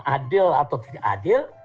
adil atau tidak adil